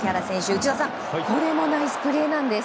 内田さんこれもナイスプレーなんです。